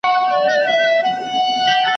د کتاب هره جمله نوی فکر راکوي.